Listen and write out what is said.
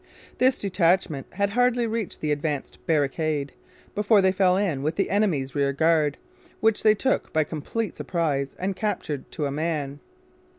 This detachment had hardly reached the advanced barricade before they fell in with the enemy's rearguard, which they took by complete surprise and captured to a man.